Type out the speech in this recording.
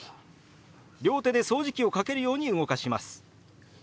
両手で掃除機をかけるように動かします。